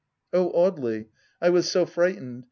..." Oh, Audely, I was so frightened